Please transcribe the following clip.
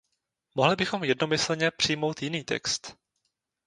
Mohli bychom jednomyslně přijmout jiný text.